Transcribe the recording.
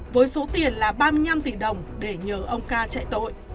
với số tiền là ba mươi năm tỷ đồng để nhờ ông ca chạy tội